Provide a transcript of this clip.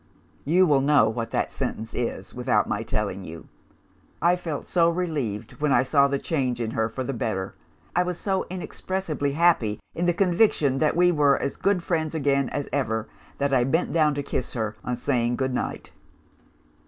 "You will know what that sentence is, without my telling you. I felt so relieved, when I saw the change in her for the better I was so inexpressibly happy in the conviction that we were as good friends again as ever that I bent down to kiss her, on saying goodnight.